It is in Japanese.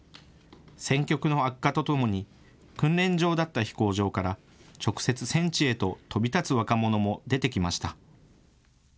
戦局の悪化とともに訓練場だった飛行場から直接戦地へと飛び立つ若者も出てきました。